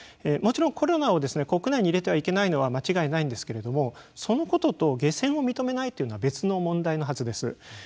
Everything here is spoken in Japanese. もちろんコレラを国内に入れてはいけないのは間違いないんですけれどもそのことと下船を認めないということは別の問題のはずです。